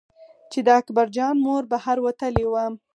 چې د اکبر جان مور بهر وتلې وه.